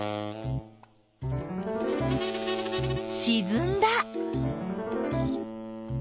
しずんだ。